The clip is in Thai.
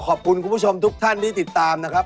คุณผู้ชมทุกท่านที่ติดตามนะครับ